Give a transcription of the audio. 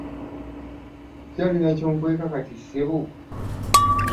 Okyalina ky'onkweka kati ssebo?